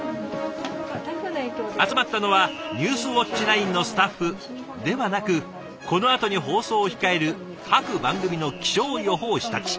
集まったのは「ニュースウオッチ９」のスタッフではなくこのあとに放送を控える各番組の気象予報士たち。